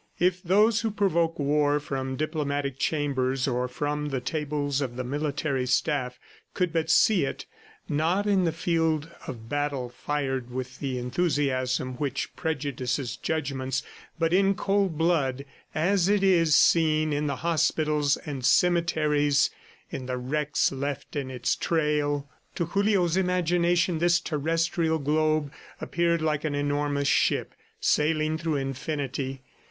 ... If those who provoke war from diplomatic chambers or from the tables of the Military Staff could but see it not in the field of battle fired with the enthusiasm which prejudices judgments but in cold blood, as it is seen in the hospitals and cemeteries, in the wrecks left in its trail! ... To Julio's imagination this terrestrial globe appeared like an enormous ship sailing through infinity.